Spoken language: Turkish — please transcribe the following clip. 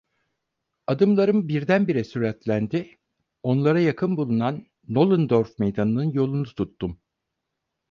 Adımlarım birdenbire süratlendi, onlara yakın bulunan Nollendorf meydanının yolunu tuttum.